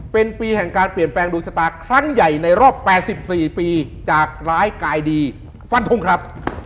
เป็นปีแห่งการเปลี่ยนแปลงดวงชะตาครั้งใหญ่ในรอบ๘๔ปีจากร้ายกายดีฟันทงครับ